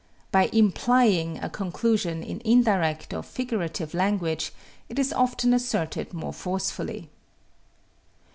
By implying a conclusion in indirect or figurative language it is often asserted most forcefully.